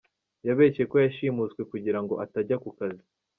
Yabeshye ko yashimuswe kugira ngo atajya ku kazi